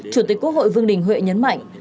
chủ tịch quốc hội vương đình huệ nhấn mạnh